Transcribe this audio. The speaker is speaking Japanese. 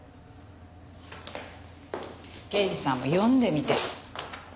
刑事さんも読んでみてよ。